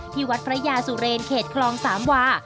ที่วัดฝรายาซุเรนเคศคลอง๓วา